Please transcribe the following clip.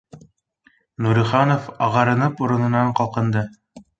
Нуриханов ағарынып урынынан ҡалҡынды